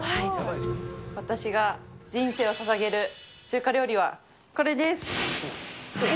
私が人生をささげる中華料理はこれです。